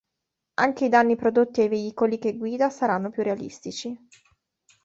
Anche i danni prodotti ai veicoli che guida saranno più realistici.